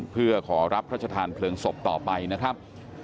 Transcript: เพื่อขอรับพระชธานเพลิงศพต่อไปนะครับ